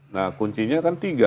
nah kuncinya kan tiga